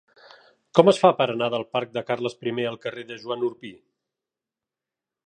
Com es fa per anar del parc de Carles I al carrer de Joan Orpí?